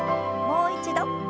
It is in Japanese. もう一度。